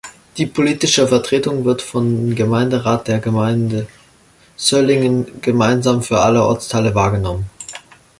Die politische Vertretung wird vom Gemeinderat der Gemeinde Söllingen gemeinsam für alle Ortsteile wahrgenommen.